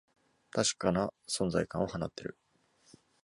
確かな存在感を放っている